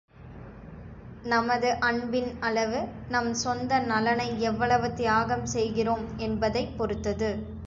நமது அன்பின் அளவு, நம் சொந்த நலனை எவ்வளவு தியாகம் செய்கிறோம் என்பதைப் பொறுத்தது.